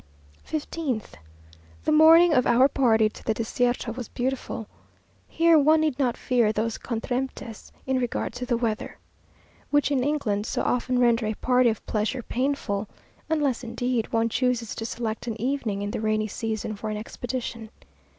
15th. The morning of our party to the Desierto was beautiful. Here one need not fear those contretemps in regard to the weather, which in England so often render a party of pleasure painful; unless, indeed, one chooses to select an evening in the rainy season for an expedition.